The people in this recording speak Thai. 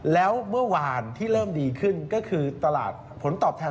แล้วเมื่อวานที่เริ่มดีขึ้นก็คือตลาดผลตอบแทน